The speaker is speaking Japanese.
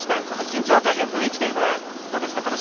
その緊張感や雰囲気というのはどうですか。